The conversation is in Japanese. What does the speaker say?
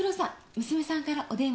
娘さんからお電話です。